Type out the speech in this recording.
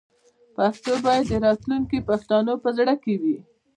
پښتو باید د راتلونکي پښتنو په زړه کې وي.